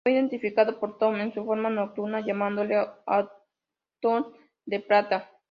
Fue identificado con Tot, en su forma nocturna, llamándole "Atón de Plata".